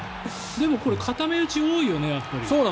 でもこれ、固め打ち多いよね。